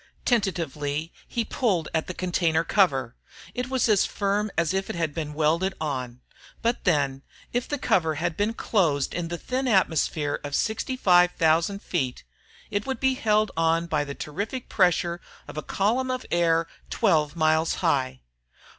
Tentatively he pulled at the container cover, it was as firm as if it had been welded on. But then, if the cover had been closed in the thin atmosphere of 65,000 feet, it would be held on by the terrific pressure of a column of air twelve miles high.